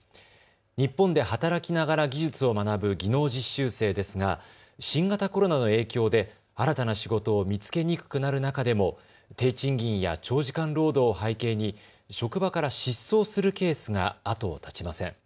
日本で働きながら技術を学ぶ技能実習生ですが新型コロナの影響で新たな仕事を見つけにくくなる中でも低賃金や長時間労働を背景に職場から失踪するケースが後を絶ちません。